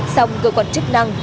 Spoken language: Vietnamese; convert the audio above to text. xong cơ quan chức năng